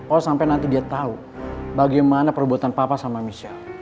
oh sampai nanti dia tahu bagaimana perbuatan papa sama michelle